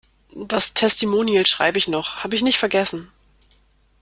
Das Testimonial schreib' ich noch, hab' ich nicht vergessen.